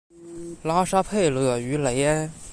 拉沙佩勒于雷埃。